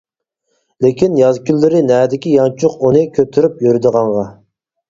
لېكىن ياز كۈنلىرى نەدىكى يانچۇق ئۇنى كۆتۈرۈپ يۈرىدىغانغا!